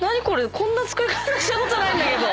こんな作り方したことないんだけど。